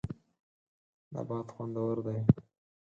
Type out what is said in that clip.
نبات خوندور دی.